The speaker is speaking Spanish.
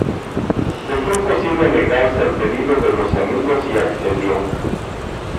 Le fue imposible negarse al pedido de los amigos y accedió.